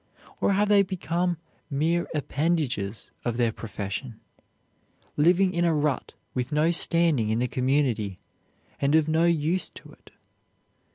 Or have they become mere appendages of their profession, living in a rut with no standing in the community, and of no use to it?